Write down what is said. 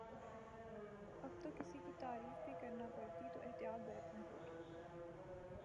اب تو کسی کی تعریف بھی کرنا پڑی تو احتیاط برتنی ہو گی